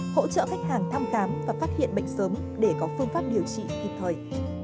hỗ trợ khách hàng thăm khám và phát hiện bệnh sớm để có phương pháp điều trị kịp thời